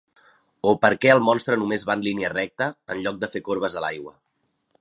O per què el monstre només va en línia recta, en lloc de fer corbes a l'aigua.